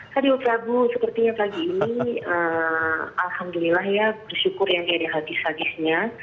hadiah prabu sepertinya pagi ini alhamdulillah ya bersyukur yang tidak ada hajis hajisnya